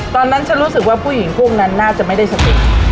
ตอนนั้นฉันรู้สึกว่าผู้หญิงพวกนั้นน่าจะไม่ได้สติ